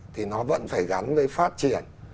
thì nó vẫn phải gắn với phát triển